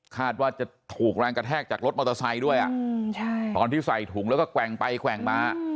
คาดว่าจะถูกแรงกระแทกจากรถมอเตอร์ไซค์ด้วยตอนที่ใส่ถุงแล้วก็แกว่งไปแกว่งมา